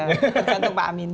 tergantung pak aamiin